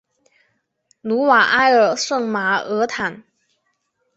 努瓦埃尔圣马尔坦。